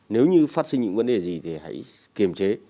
nếu như phát sinh những vấn đề gì thì hãy kiềm chế